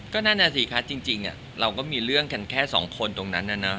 ก็นั่นน่ะสิคะจริงเราก็มีเรื่องกันแค่สองคนตรงนั้นนะ